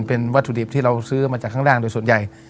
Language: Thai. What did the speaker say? เป็นวัตถุดิบที่เราซื้อมาจากข้างล่างโดยส่วนใหญ่